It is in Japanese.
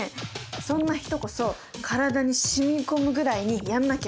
そんな人こそ体にしみこむぐらいにやんなきゃ。